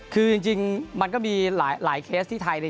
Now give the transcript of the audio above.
คือจริงมันก็มีหลายเคสที่ไทย